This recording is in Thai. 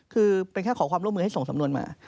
คือเป็นแค่ขอความร่วมมือให้ส่งสำนวนมา